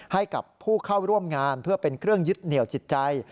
ให้กับผู้เข้าร่วมงานเพื่อเป็นเครื่องยึดเหนียวจิตใจ